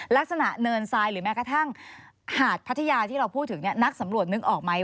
เนินทรายหรือแม้กระทั่งหาดพัทยาที่เราพูดถึงนักสำรวจนึกออกไหม